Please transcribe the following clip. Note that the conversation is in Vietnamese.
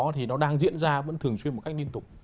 thì nó đang diễn ra vẫn thường xuyên một cách liên tục